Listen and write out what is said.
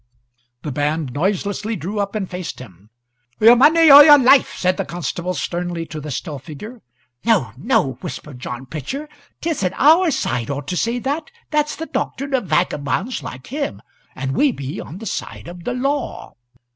The band noiselessly drew up and faced him. "Your money or your life!" said the constable, sternly, to the still figure. "No, no," whispered John Pitcher. "'Tisn't our side ought to say that. That's the doctrine of vagabonds like him, and we be on the side of the law."